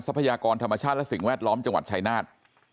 พยากรธรรมชาติและสิ่งแวดล้อมจังหวัดชายนาฏ